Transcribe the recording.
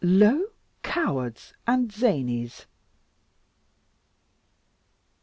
"Low cowards and zanies!